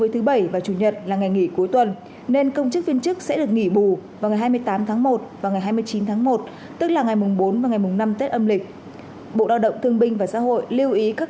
thưa quý vị bộ lao động thương binh và xã hội